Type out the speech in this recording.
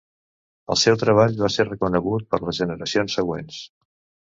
El seu treball va ser reconegut per les generacions següents.